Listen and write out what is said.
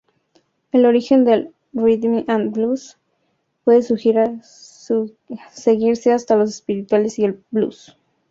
El origen del "rhythm and blues" puede seguirse hasta los espirituales y el "blues".